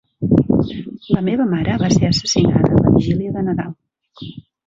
La meva mare va ser assassinada la vigília de Nadal.